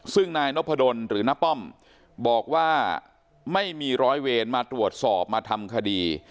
ซึ่งนายนพดลหรือน้าป้อมบอกว่าไม่มีร้อยเวรมาตรวจสอบมาทำคดี